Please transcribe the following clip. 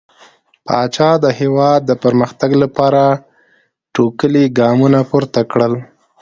پاچا د هيواد د پرمختګ لپاره ټوکلي ګامونه پورته کړل .